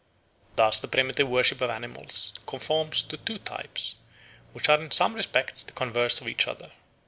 Thus the primitive worship of animals conforms to two types, which are in some respects the converse of each other.